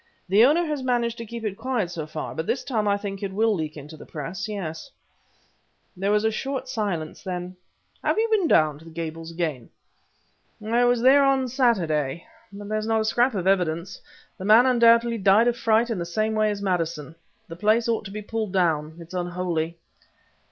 "The owner has managed to keep it quiet so far, but this time I think it will leak into the press yes." There was a short silence; then: "And you have been down to the Gables again?" "I was there on Saturday, but there's not a scrap of evidence. The man undoubtedly died of fright in the same way as Maddison. The place ought to be pulled down; it's unholy."